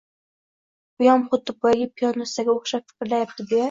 «Buyam xuddi boyagi piyonistaga o‘xshab fikrlayapti», deya